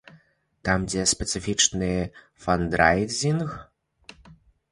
Там ідзе спецыфічны фандрайзінг.